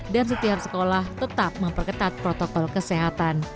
dan setiap sekolah tetap memperketat protokol kesehatan